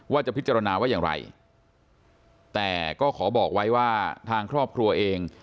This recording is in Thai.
ว่าจะพิจารณาว่าอย่างไรแต่ก็ขอบอกไว้ว่าทางครอบครัวเอง